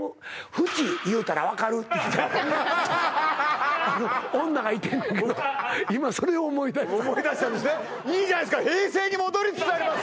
ふち言うたらわかる？」って言うた女がいてんねやけど今それを思い出した思い出したんですねいいじゃないですか平成に戻りつつあります